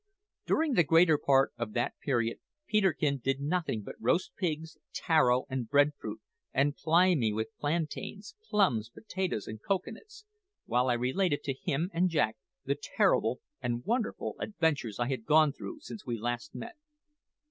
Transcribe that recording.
During the greater part of that period Peterkin did nothing but roast pigs, taro, and bread fruit, and ply me with plantains, plums, potatoes, and cocoa nuts, while I related to him and Jack the terrible and wonderful adventures I had gone through since we last met.